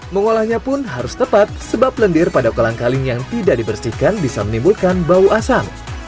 mengolahnya pun harus tepat sebab lendir pada kolang kaling yang tidak dibersihkan bisa menimbulkan bau asam